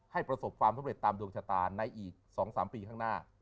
ประสบความสำเร็จตามดวงชะตาในอีก๒๓ปีข้างหน้า